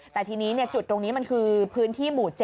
แต่ทีนี้จุดตรงนี้มันคือพื้นที่หมู่๗